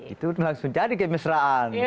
itu langsung jadi kayak mesraan